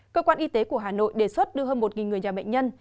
cơ quan y tế của hà nội đề xuất đưa hơn một người nhà bệnh nhân